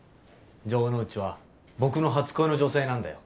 城之内は僕の初恋の女性なんだよ。